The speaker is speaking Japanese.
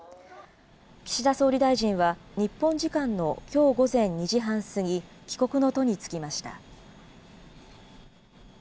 岸田総理大臣は日本時間のきょう午前２時半過ぎ、帰国の途に就きました。